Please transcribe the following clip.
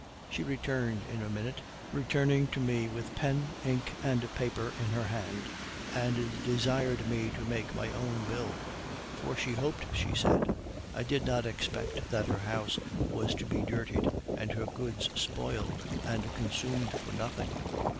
She returned in a minute, running to me with pen, ink, and paper, in her hand, and desired me to make my own bill; "for she hoped," she said "I did not expect that her house was to be dirtied, and her goods spoiled and consumed for nothing.